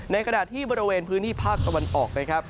ในกระดาษที่บริเวณพื้นที่ภาคสวรรค์ออกนะครับ